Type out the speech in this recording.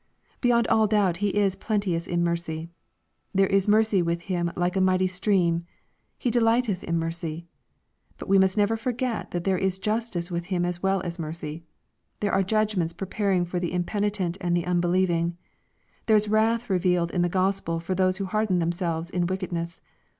Beyond all doubt He is plenteous in mercy. There is mercy with Him like a mighty stream. He " de lighteth in mercy." But we must never forget that there is justice with Him as well as mercy. There are judg ments preparing for the impenitent and the unbelieving. There is wrath revealed in the Gospel for those who harden themselves in wickedness.